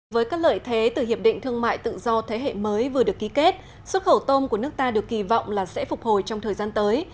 với các lợi thế từ hiệp định thương mại tự do thế hệ mới vừa được ký kết xuất khẩu tôm của nước ta được kỳ vọng là sẽ phục hồi trong thời gian tới